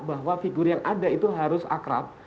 bahwa figur yang ada itu harus akrab